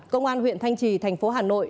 công an huyện thanh trì thành phố hà nội